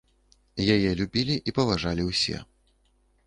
Яе любілі і паважалі ўсе.